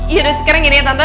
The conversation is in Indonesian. yaudah sekarang gini tante